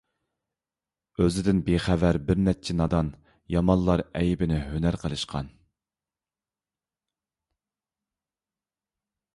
ئۆزىدىن بىخەۋەر بىرنەچچە نادان، يامانلار ئەيىبىنى ھۈنەر قىلىشقان.